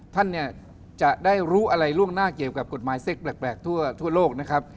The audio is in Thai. ท่านเนี่ยจะได้รู้อะไรล่วงหน้าเกี่ยวกับกฎหมายเซ็กแปลกทั่วโลกนะครับ